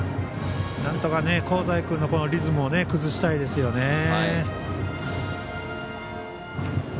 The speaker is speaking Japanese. なんとか香西君のリズムを崩したいですよね。